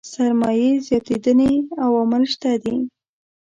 سرمايې زياتېدنې عوامل شته دي.